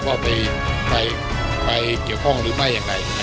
ว่าไปเกี่ยวข้องหรือไม่อย่างไร